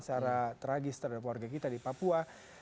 secara tragis terhadap warga kita di papua